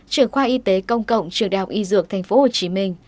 trưởng khoa y tế công cộng trường đạo y dược tp hcm